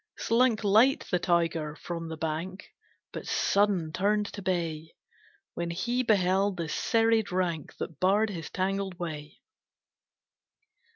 Slunk light the tiger from the bank, But sudden turned to bay! When he beheld the serried rank That barred his tangled way.